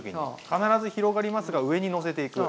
必ず広がりますが上にのせていく。